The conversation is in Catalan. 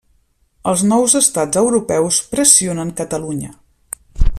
Els nous estats europeus pressionen Catalunya.